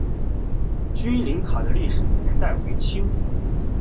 君灵塔的历史年代为清。